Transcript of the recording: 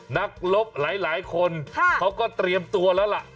นักลบหลายคนเขาก็เตรียมตัวแล้วล่ะ